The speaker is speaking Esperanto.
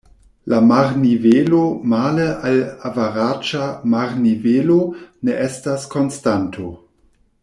La marnivelo male al averaĝa marnivelo ne estas konstanto.